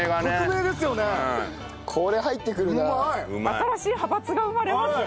新しい派閥が生まれますね。